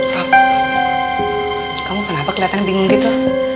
pak terus kamu kenapa kelihatan bingung gitu